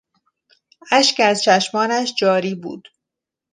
اشک از چشمانش جاری بود.